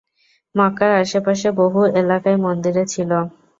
মক্কার আশে-পাশে বহু এলাকার মন্দিরে ছিল।